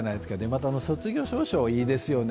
また卒業証書、これいいですよね。